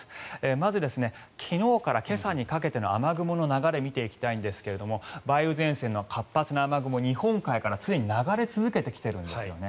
まず、昨日から今朝にかけての雨雲の流れを見ていきたいんですが梅雨前線の活発な雨雲日本海から常に流れ続けてきてるんですね。